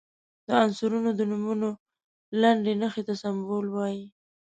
د عنصرونو د نومونو لنډي نښې ته سمبول وايي.